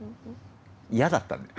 嫌だったんだよ。